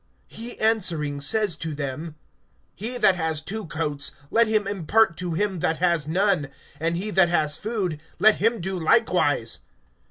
(11)He answering says to them: He that has two coats, let him impart to him that has none; and he that has food, let him do likewise.